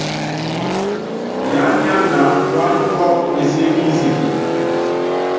Yiányánana puányi púáwɔ enseé kinsííni.